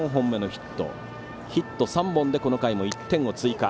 ヒット３本でこの回も１点を追加。